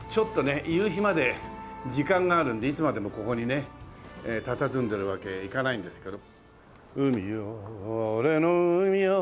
夕日まで時間があるのでいつまでもここにねたたずんでるわけいかないんですけど。